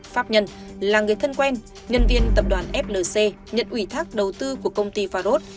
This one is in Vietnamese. pháp nhân là người thân quen nhân viên tập đoàn flc nhận ủy thác đầu tư của công ty farod